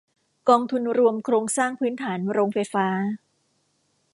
กองทุนรวมโครงสร้างพื้นฐานโรงไฟฟ้า